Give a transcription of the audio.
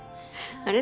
あれ？